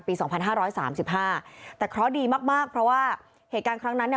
ปี๒๕๓๕แต่เค้าดีมากเพราะว่าเหตุการณ์ครั้งนั้น